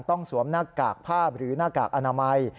ต้องสวมหน้ากากภาพหรือหน้ากากอนามัย